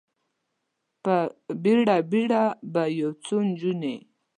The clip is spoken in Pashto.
په بیړه، بیړه به یو څو نجونې،